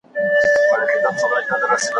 ښايي زما د مرگ لپاره څه خيال وهي